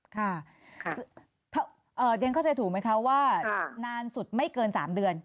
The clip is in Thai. ค่ะเรียนเข้าใจถูกไหมคะว่านานสุดไม่เกิน๓เดือน